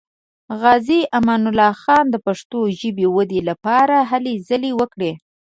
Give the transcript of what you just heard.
غازي امان الله خان د پښتو ژبې ودې لپاره هلې ځلې وکړې.